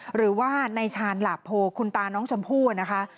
หรือว่าในชาญหลาโพคุณตาน้องชมพู่นะคะ